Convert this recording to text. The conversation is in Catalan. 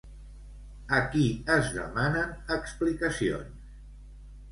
A qui es demanen explicacions?